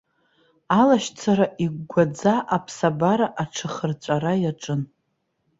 Алашьцара игәгәаӡа аԥсабара аҽахырҵәара иаҿын.